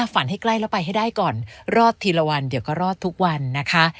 ให้ใกล้แล้วไปให้ได้ก่อนรอดทีละวันเดี๋ยวก็รอดทุกวันนะคะ